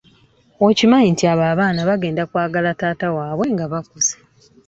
Okimanyi nti abo abaana bagenda kwagala taata waabwe nga bakuze.